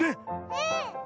うん！